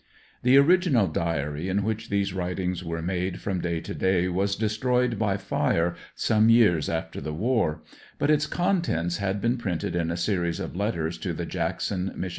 The original diary in which these writings were made from day to day was destroyed by fire some years after the war, but its con tents had been printed in a series of letters to the Jackson, (Mich.)